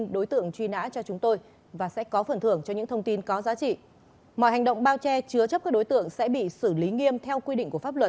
đối tượng này có sẹo chấm cách hai cm dưới sau mếp phải